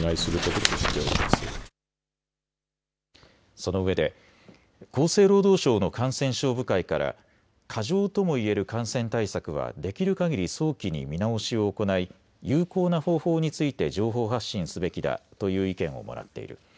そのうえで厚生労働省の感染症部会から過剰ともいえる感染対策はできる限り早期に見直しを行い有効な方法について情報発信すべきだという意見をもらっている。